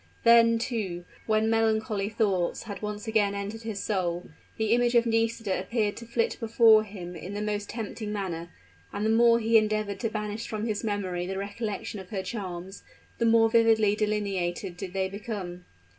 Then, too, when melancholy thoughts had once again entered his soul, the image of Nisida appeared to flit before him in the most tempting manner; and the more he endeavored to banish from his memory the recollection of her charms, the more vividly delineated did they become.